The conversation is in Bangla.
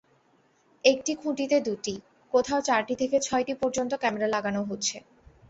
একটি খুঁটিতে দুটি, কোথাও চারটি থেকে ছয়টি পর্যন্ত ক্যামেরা লাগানো হচ্ছে।